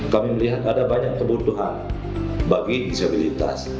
kami melihat ada banyak kebutuhan bagi disabilitas